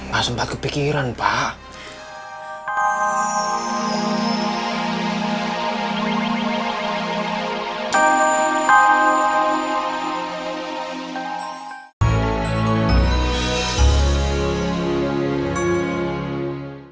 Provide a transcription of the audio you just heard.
gak sempat kepikiran pak